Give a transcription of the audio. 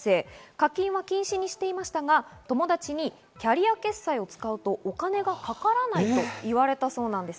課金は禁止にしていましたが、友達に、キャリア決済を使うとお金がかからないといわれたそうです。